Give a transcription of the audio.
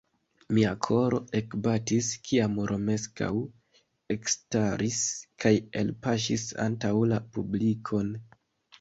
Mia koro ekbatis, kiam Romeskaŭ ekstaris kaj alpaŝis antaŭ la publikon.